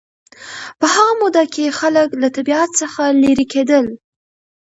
په هغه موده کې خلک له طبیعت څخه لېرې کېدل